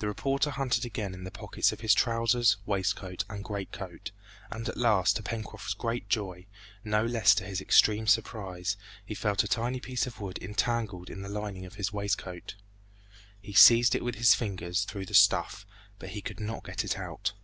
The reporter hunted again in the pockets of his trousers, waistcoat, and great coat, and at last to Pencroft's great joy, no less to his extreme surprise, he felt a tiny piece of wood entangled in the lining of his waistcoat. He seized it with his fingers through the stuff, but he could not get it out.